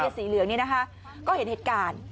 สีเหลืองนี่นะคะก็เห็นเหตุการณ์